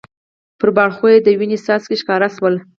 پر باړخو یې د وینې څاڅکي ښکاره شول.